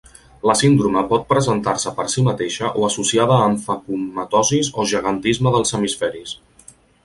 La síndrome pot presentar-se per si mateixa o associada amb facomatosis o gegantisme dels hemisferis.